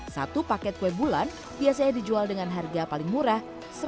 satu paket kue bulan biasanya dijual dengan harga paling murah